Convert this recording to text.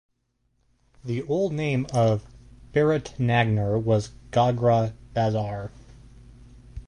The old name of Biratnagar was Gograha Bazaar.